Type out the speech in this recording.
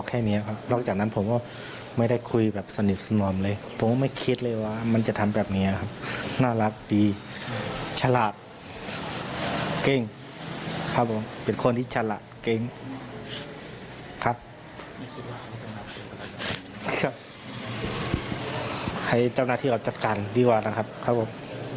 ก็ให้เจ้าหน้าที่เราจัดการดีกว่านะครับครับผม